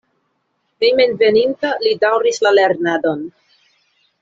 Hejmenveninta li daŭris la lernadon.